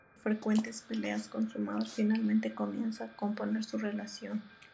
Luego de frecuentes peleas con su madre, finalmente comienzan a componer su relación.